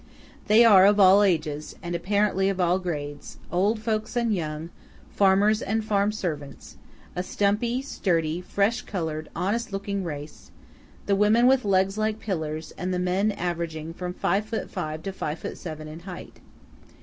They are of all ages, and apparently of all grades; old folks and young, farmers and farm servants–a stumpy, sturdy, fresh coloured, honest looking race; the women with legs like pillars, and the men averaging from five foot five to five foot seven in height.